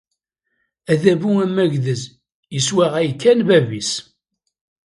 Adabu amagdez yeswaɣay kan bab-is.